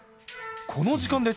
この時間です。